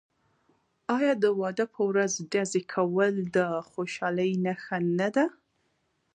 آیا د واده په ورځ ډزې کول د خوشحالۍ نښه نه ده؟